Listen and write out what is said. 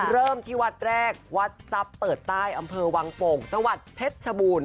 เริ่มที่วัดแรกวัดทรัพย์เปิดใต้อำเภอวังโป่งจังหวัดเพชรชบูรณ